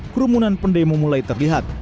kerumunan pendemo mulai terlihat